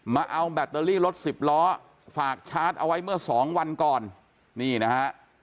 มาเอาแบตเตอรี่รถสิบล้อฝากชาร์จเอาไว้เมื่อสองวันก่อนนี่นะฮะ